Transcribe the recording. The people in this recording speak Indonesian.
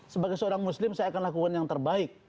sebagai seorang muslim saya akan lakukan yang terbaik